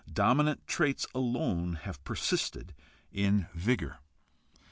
Dominant traits alone have persisted in vigor.